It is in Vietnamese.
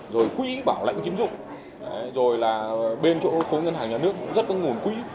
rồi quý bảo lãnh kiếm dụng rồi là bên chỗ khối ngân hàng nhà nước cũng rất có nguồn quý